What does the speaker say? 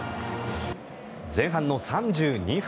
前半の３２分。